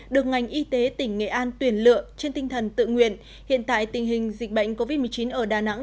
được ngành y tế tỉnh nghệ an tuyển lựa trên tinh thần tự nguyện hiện tại tình hình dịch bệnh covid một mươi chín ở đà nẵng